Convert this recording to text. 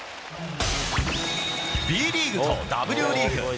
ＢリーグとＷリーグ